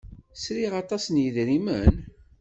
Sriɣ aṭas n yidrimen?